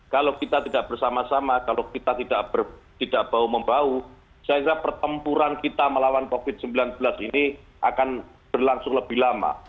kalau kita tidak bersama sama kalau kita tidak bau membau saya kira pertempuran kita melawan covid sembilan belas ini akan berlangsung lebih lama